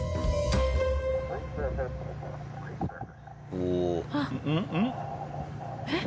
おお。えっ？